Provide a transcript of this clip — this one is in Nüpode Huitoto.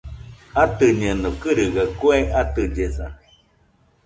Atɨñeno gɨrɨgaɨ kue atɨllesa